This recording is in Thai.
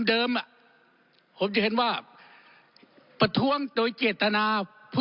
ครับครับครับครับครับครับครับครับครับครับครับครับครับครับครับ